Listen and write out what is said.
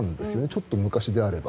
ちょっと昔であれば。